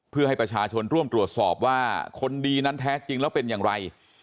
เพื่อให้ประชาชนร่วมตรวจสอบว่าคนดีนั้นแท้จริงแล้วเป็นอย่างไร